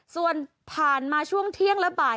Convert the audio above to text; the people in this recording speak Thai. ส่วนผ่านมาช่วงเที่ยงและบ่าย